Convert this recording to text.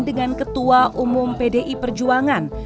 dengan ketua umum pdi perjuangan